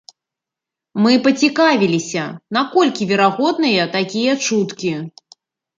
Мы пацікавіліся, наколькі верагодныя такія чуткі.